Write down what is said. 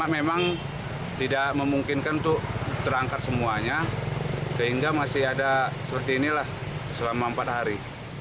memang tidak memungkinkan untuk terangkat semuanya sehingga masih ada seperti inilah selama empat hari